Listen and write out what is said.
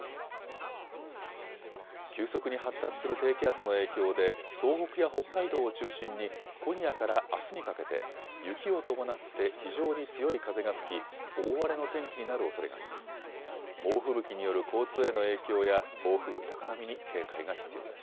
急速に発達する低気圧の影響で東北や北海道を中心に今夜からあすにかけて雪を伴って非常に強い風が吹き、大荒れの天気になるおそれがあります。